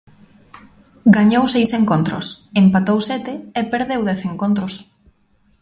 Gañou seis encontros, empatou sete e perdeu dez encontros.